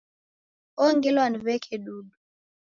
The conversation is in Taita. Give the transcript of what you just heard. Ongilwa ni w'eke dudu.